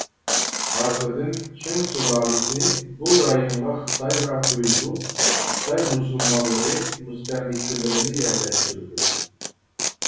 ئارقىدىن، چىڭ سۇلالىسى بۇ رايونغا خىتاي ۋە خۇيزۇ (خىتاي مۇسۇلمانلىرى) مۇستەملىكىچىلىرىنى يەرلەشتۈردى.